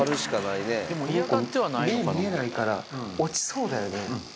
この子目見えないから落ちそうだよね。